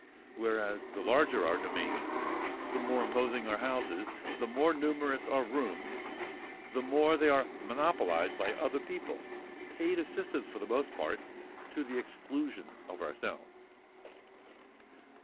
Whereas the larger our domains, the more imposing our houses, the more numerous our rooms, the more they are monopolised by other people—paid assistants for the most part—to the exclusion of ourselves.